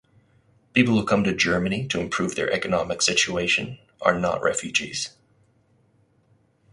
People who come to Germany to improve their economic situation are not refugees.